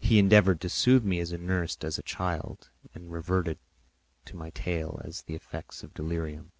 He endeavoured to soothe me as a nurse does a child and reverted to my tale as the effects of delirium.